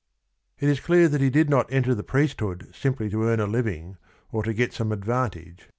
It is clear that he did not enter the priesthood simply to earn a living or to get some advantage.